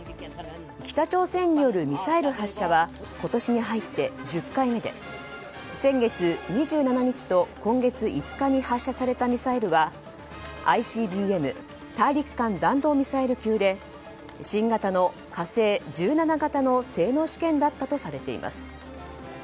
北朝鮮によるミサイル発射は今年に入って１０回目で先月２７日と今月５日に発射されたミサイルはＩＣＢＭ・大陸間弾道ミサイル級で新型の「火星１７」型の性能試験だったとされています。